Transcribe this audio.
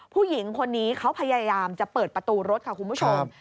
ผู้หญิงคนนี้เขาพยายามจะเปิดประตูรถค่ะคุณผู้ชม